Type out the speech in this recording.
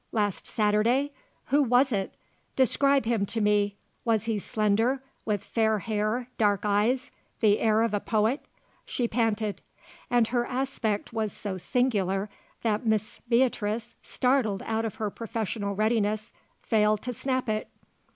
Last Saturday! Who was it? Describe him to me! Was he slender with fair hair dark eyes the air of a poet?" She panted. And her aspect was so singular that Miss Beatrice, startled out of her professional readiness, failed to snap it.